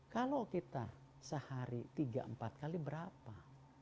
kalau kita sehari tiga empat kali berapa